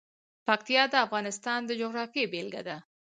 پکتیا د افغانستان د جغرافیې بېلګه ده.